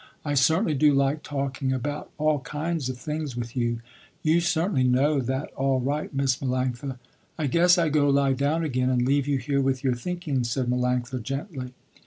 I certainly do like talking about all kinds of things with you. You certainly know that all right, Miss Melanctha." "I guess I go lie down again and leave you here with your thinking," said Melanctha gently.